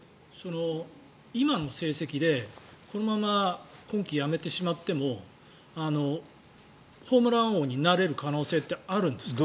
今の成績でこのまま今季、やめてしまってもホームラン王になれる可能性ってあるんですか。